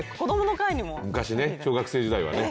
昔ね、小学生時代はね。